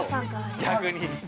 逆に。